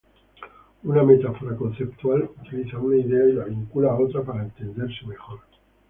Una metáfora conceptual utiliza una idea y la vincula a otra para entenderse mejor.